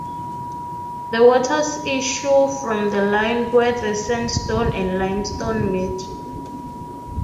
The waters issue from the line where the sandstone and limestone meet.